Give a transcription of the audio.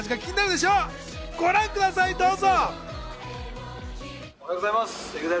ご覧ください、どうぞ！